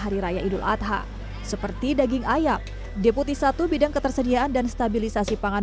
hari raya idul adha seperti daging ayam deputi satu bidang ketersediaan dan stabilisasi pangan